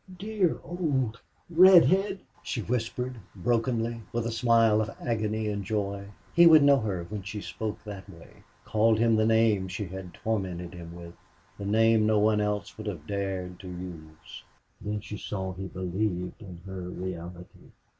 "Dear old redhead!" she whispered, brokenly, with a smile of agony and joy. He would know her when she spoke that way called him the name she had tormented him with the name no one else would have dared to use. Then she saw he believed in her reality.